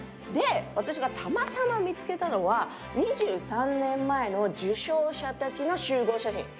で私がたまたま見つけたのは２３年前の受賞者たちの集合写真。